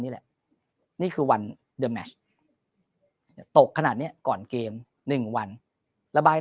นี่แหละนี่คือวันเดอร์แมชตกขนาดนี้ก่อนเกม๑วันระบาย